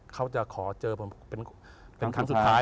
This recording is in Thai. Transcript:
เขาจะขอเจอเป็นคำสุดท้าย